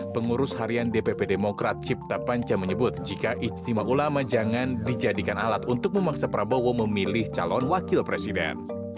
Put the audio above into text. pengurus harian dpp demokrat cipta panca menyebut jika ijtima ulama jangan dijadikan alat untuk memaksa prabowo memilih calon wakil presiden